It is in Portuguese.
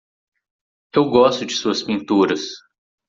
Eu gosto de suas pinturas.